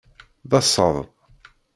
D asaḍ.